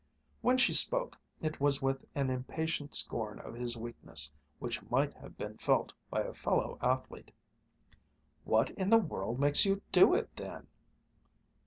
When she spoke, it was with an impatient scorn of his weakness, which might have been felt by a fellow athlete: "What in the world makes you do it, then?"